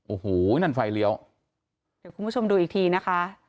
โอ้โหนั่นไฟเลี้ยวเดี๋ยวคุณผู้ชมดูอีกทีนะคะ